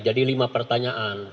jadi lima pertanyaan